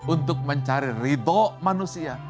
untuk mencari ridho manusia